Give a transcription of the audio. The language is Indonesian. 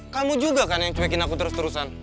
kamu juga kan yang cuekin aku terus terusan